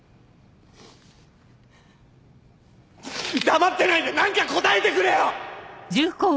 黙ってないで何か答えてくれよ！